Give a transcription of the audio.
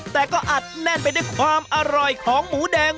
แต่ก็อัดแน่นไปด้วยความอร่อยของหมูแดง